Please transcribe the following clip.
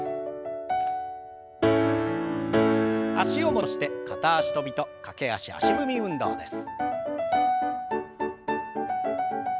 脚を戻して片足跳びと駆け足足踏み運動です。